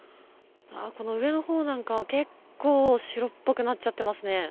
上の方なんかは結構白っぽくなっちゃっていますね。